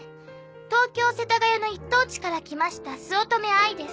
東京世田谷の一等地から来ました酢乙女あいです。